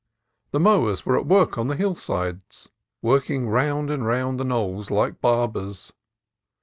The mowers were at work on the hillsides, working round and round the knolls like barbers.